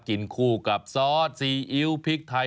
กินคู่กับซอสซีอิ๊วพริกไทย